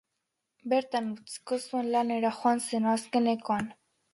Bertan utziko zuen lanera joan zen azkenekoan.